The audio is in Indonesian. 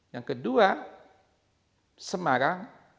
yang kedua semarang